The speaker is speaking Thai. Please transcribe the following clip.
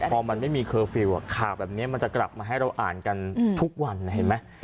พอมันไม่มีเคอร์ฟิลล์ข่าวแบบนี้มันจะกลับมาให้เราอ่านกันทุกวันเห็นไหม